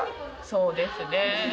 そうですね